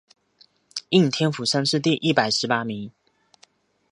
应天府乡试第一百十八名。